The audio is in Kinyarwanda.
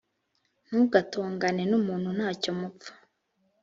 ntugatongane n’umuntu nta cyo mupfa